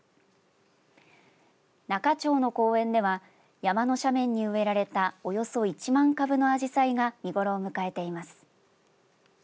那賀町の公園では山の斜面に植えられたおよそ１万株のアジサイが見ごろを迎えています。